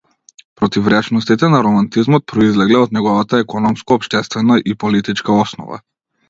Противречностите на романтизмот произлегле од неговата економско-општествена и политичка основа.